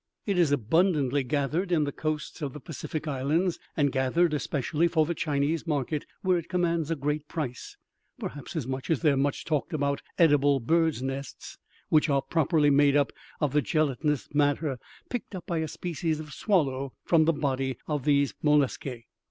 It is abundantly gathered in the coasts of the Pacific islands, and gathered especially for the Chinese market, where it commands a great price, perhaps as much as their much talked of edible birds' nests, which are properly made up of the gelatinous matter picked up by a species of swallow from the body of these molluscae.